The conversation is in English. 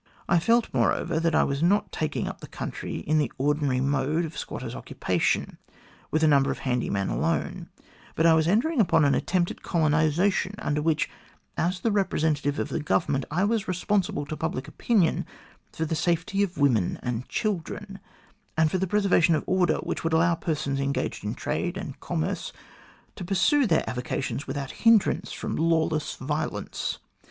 I felt, moreover, that I was not taking up the country in the ordinary mode of squatters' occupation, with a number of handy men alone, but that I was entering upon an attempt at colonisation, under which, as the representative of the Government, I was responsible to public opinion for the safety of women and children, and for that preservation of order which would allow persons engaged in trade and commerce to pursue their avocations without hindrance from lawless violence.